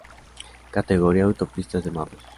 Categoría: Autopistas de Marruecos